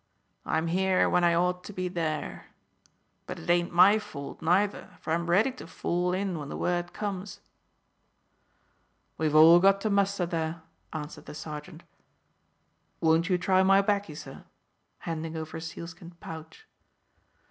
I'm here when I ought to be there. But it ain't my fault neither, for I'm ready to fall in when the word comes." "We've all got to muster there," answered the sergeant. "Won't you try my baccy, sir?" handing over a sealskin pouch.